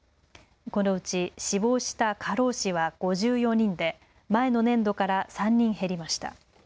このうち死亡した過労死は５４人で前の年度から３人減りました。